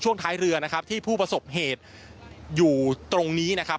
ท้ายเรือนะครับที่ผู้ประสบเหตุอยู่ตรงนี้นะครับ